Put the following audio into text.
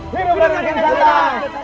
hidup raden kian santan